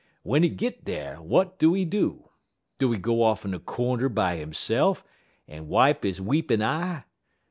W'en he git dar, w'at do he do? Do he go off in a cornder by hisse'f, en wipe he weepin' eye?